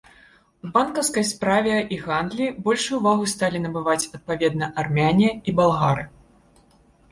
У банкаўскай справе і гандлі большую вагу сталі набываць адпаведна армяне і балгары.